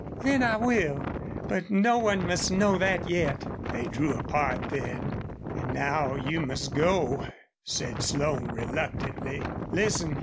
"Then I will. But no one must know that yet." They drew apart then. "An' now you must go," said Slone, reluctantly. "Listen.